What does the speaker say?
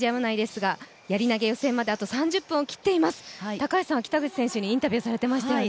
高橋さんは北口選手にインタビューされていましたよね。